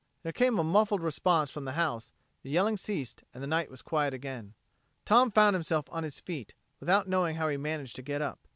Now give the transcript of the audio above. There came a muffled response from the house, the yelling ceased and the night was quiet again. Tom found himself on his feet, without knowing how he managed to get up.